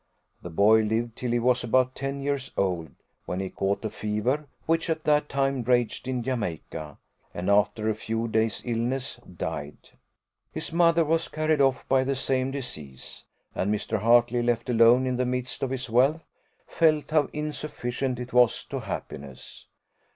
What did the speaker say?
The boy lived till he was about ten years old, when he caught a fever, which at that time raged in Jamaica, and, after a few days' illness, died. His mother was carried off by the same disease; and Mr. Hartley, left alone in the midst of his wealth, felt how insufficient it was to happiness.